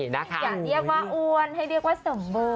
อย่าเรียกว่าอ้วนให้เรียกว่าสมเบอร์